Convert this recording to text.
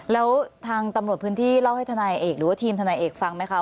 แล้วทางตำรวจพื้นที่เล่าให้ทนายเอกหรือว่าทีมทนายเอกฟังไหมคะ